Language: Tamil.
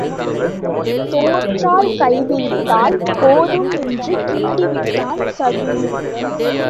நீ தோற்றால் கைவிரித்தால் போதும் என்று கிண்டி விட்டான் சகுனி.